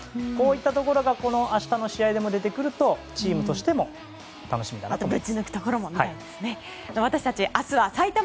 こういったところが明日の試合でも出てくるとチームとしても楽しみだなと。